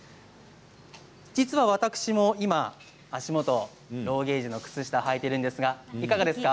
実は私も今、足元ローゲージの靴下をはいているんですが、いかがですか。